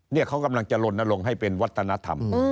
เขากำลังจะลนลงให้เป็นวัฒนธรรม